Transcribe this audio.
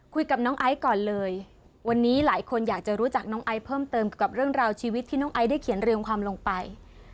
คุยกับน้องไอซ์ก่อนเลยวันนี้หลายคนอยากจะรู้จักน้องไอซ์เพิ่มเติมกับเรื่องราวชีวิตที่น้องไอซ์ได้เขียนเรียงความลงไป